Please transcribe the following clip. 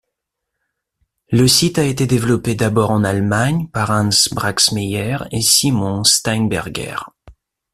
Le site a été développé d'abord en Allemagne par Hans Braxmeier et Simon Steinberger.